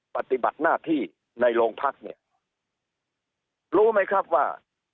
ปฏิบัติหน้าที่ในโรงพักเนี่ยรู้ไหมครับว่า